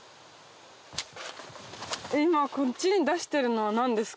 今こっちに出してるのは何ですか？